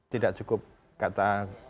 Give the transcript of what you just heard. tidak cukup kata